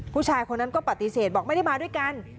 ผู้ชายคนนั้นก็ปฏิเสธบอกไม่ได้มาด้วยกัน